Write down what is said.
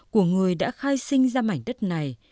của người đã khai sinh ra mảnh đất này